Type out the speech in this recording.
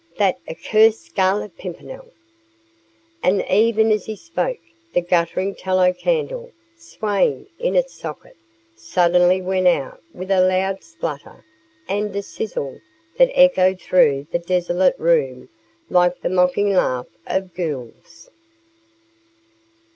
"That accursed Scarlet Pimpernel!" And even as he spoke the guttering tallow candle, swaying in its socket, suddenly went out with a loud splutter and a sizzle that echoed through the desolate room like the mocking laugh of ghouls.